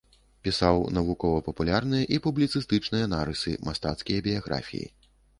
Пісаў навукова-папулярныя і публіцыстычныя нарысы, мастацкія біяграфіі.